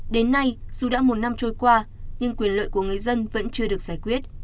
đến nay dù đã một năm trôi qua nhưng quyền lợi của người dân vẫn chưa được giải quyết